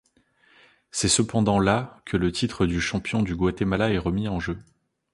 C'est cependant la que le titre de champion du Guatemala est remis en jeu.